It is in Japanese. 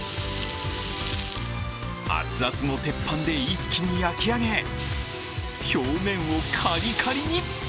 熱々の鉄板で一気に焼き上げ表面をカリカリに。